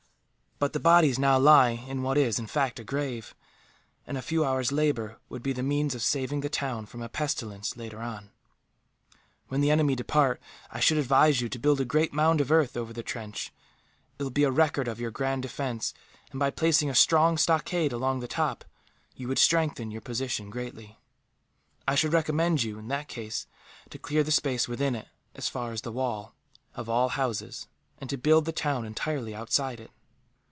But the bodies now lie in what is, in fact, a grave; and a few hours' labour would be the means of saving the town from a pestilence, later on. "When the enemy depart, I should advise you to build a great mound of earth over the trench. It will be a record of your grand defence and, by placing a strong stockade along the top, you would strengthen your position greatly. I should recommend you, in that case, to clear the space within it, as far as the wall, of all houses; and to build the town entirely outside it."